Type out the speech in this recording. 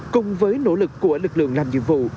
cùng với nỗ lực của lực lượng làm nhiệm vụ